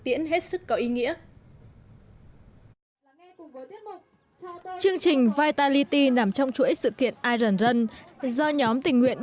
tiễn hết sức có ý nghĩa chương trình vitality nằm trong chuỗi sự kiện iren run do nhóm tình nguyện